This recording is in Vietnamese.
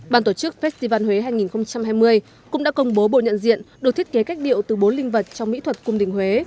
bàn tổ chức festival huế hai nghìn hai mươi cũng đã công bố bộ nhận diện được thiết kế cách điệu từ bốn linh vật trong mỹ thuật cung đình huế